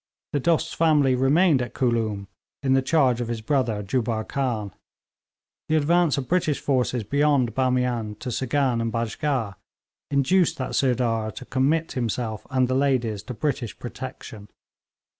The Dost's family remained at Khooloom, in the charge of his brother Jubbar Khan. The advance of British forces beyond Bamian to Syghan and Bajgah, induced that Sirdar to commit himself and the ladies to British protection.